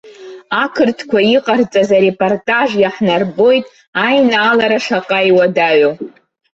Ақырҭқәа иҟарҵаз арепортаж иаҳнарбоит аинаалара шаҟа иуадаҩу.